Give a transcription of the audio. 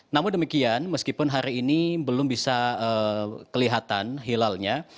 namun demikian meskipun hari ini belum bisa kelihatan hilalnya